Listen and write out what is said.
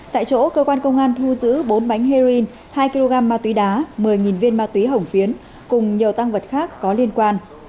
tại chỗ cơ quan công an thu giữ bốn bánh heroin hai kg ma túy đá một mươi viên ma túy hồng phiến cùng nhiều tăng vật khác có liên quan